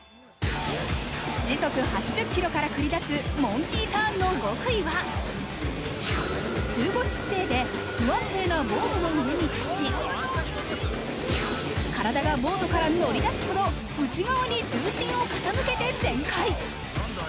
時速８０キロから繰り出すモンキーターンの極意は中腰姿勢で不安定なボートの上に立ち体がボートから乗り出すほど、内側に重心を傾けて旋回。